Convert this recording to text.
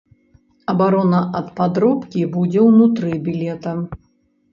Абарона ад падробкі будзе ўнутры білета.